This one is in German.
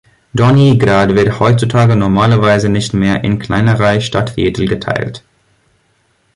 Donji Grad wird heutzutage normalerweise nicht mehr in kleinere Stadtviertel geteilt.